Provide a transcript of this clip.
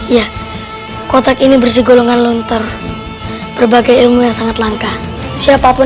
yang terpenting dalam bertarung adalah pengendalian diri